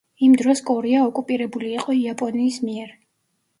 იმ დროს კორეა ოკუპირებული იყო იაპონიის მიერ.